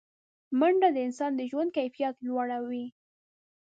منډه د انسان د ژوند کیفیت لوړوي